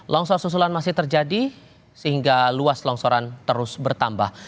longsor susulan masih terjadi sehingga luas longsoran terus bertambah